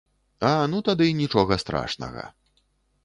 А, ну тады нічога страшнага.